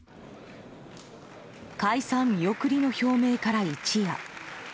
解散見送りの表明から一夜。